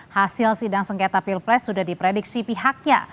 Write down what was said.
hasil sidang sengketa pilpres sudah diprediksi pihaknya